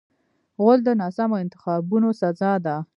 غول د ناسمو انتخابونو سزا ده.